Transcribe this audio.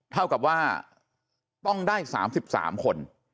เท่ากับว่าต้องได้๓๓คน